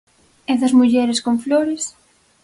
E das mulleres con flores?